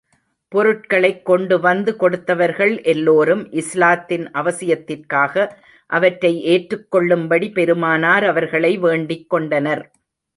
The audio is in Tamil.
பொருட்களைக் கொண்டு வந்து கொடுத்தவர்கள் எல்லோரும், இஸ்லாத்தின் அவசியத்திற்காக, அவற்றை ஏற்றுக் கொள்ளும்படி பெருமானார் அவர்களை வேண்டிக் கொண்டனர்.